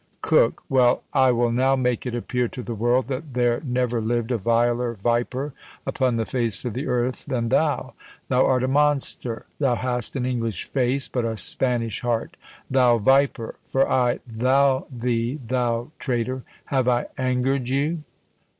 COKE. Well, I will now make it appear to the world that there never lived a viler viper upon the face of the earth than thou. Thou art a monster; thou hast an English face, but a Spanish heart. Thou viper! for I thou thee, thou traitor! Have I angered you?